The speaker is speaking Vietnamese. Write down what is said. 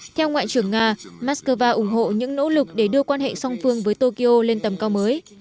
theo ngoại trưởng nga mắc cơ va ủng hộ những nỗ lực để đưa quan hệ song phương với tokyo lên tầm cao mới